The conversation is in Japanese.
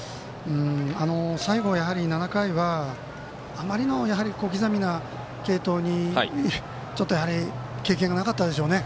最後、７回はあまりの小刻みな継投に、ちょっと経験がなかったでしょうね